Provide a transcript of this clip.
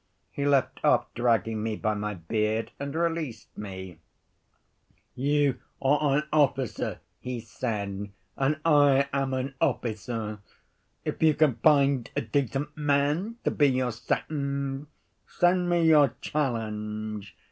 He left off dragging me by my beard and released me: 'You are an officer,' he said, 'and I am an officer, if you can find a decent man to be your second send me your challenge.